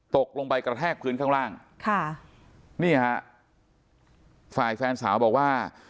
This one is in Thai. ตกลงไปกระแทกพื้นข้างล่างค่ะนี่ฮะฝ่ายแฟนสาวบอกว่า